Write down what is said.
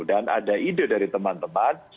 dan ada ide dari teman teman